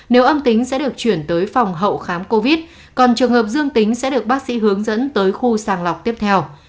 nếu âm tính sẽ được chuyển tới phòng hậu khám covid còn trường hợp dương tính sẽ được bác sĩ hướng dẫn tới khu sàng lọc tiếp theo